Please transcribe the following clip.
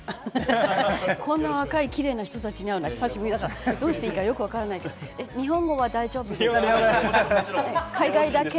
こんな若いキレイな人たちに会うのは久しぶりだからどうしていいかよくわからないけど、日本語は大丈夫ですか？